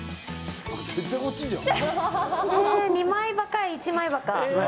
絶対こっちじゃん。